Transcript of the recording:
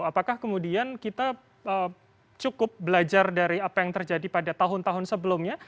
apakah kemudian kita cukup belajar dari apa yang terjadi pada tahun tahun sebelumnya